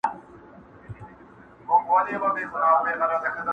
د موبايل ټول تصويرونهيېدلېپاتهسي